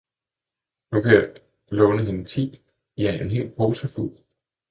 nu kan jeg låne hende ti, ja, en hel pose fuld!